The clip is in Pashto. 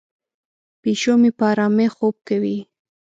پیشو مې په آرامۍ خوب کوي.